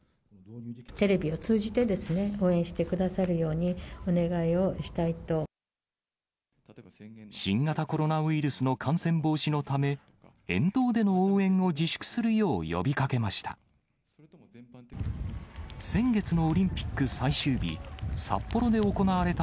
テレビを通じて応援してくだ新型コロナウイルスの感染防止のため、沿道での応援を自粛するよう呼びかけました。